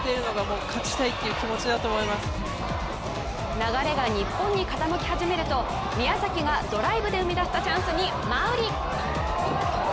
流れが日本に傾け始めると、宮崎がドライブで生み出したチャンスに馬瓜。